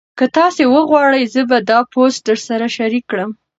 که تاسي وغواړئ زه به دا پوسټ درسره شریک کړم.